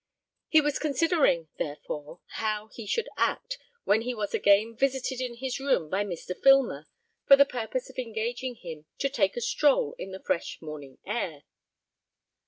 He was considering, therefore, how he should act, when he was again visited in his room by Mr. Filmer, for the purpose of engaging him to take a stroll in the fresh morning air.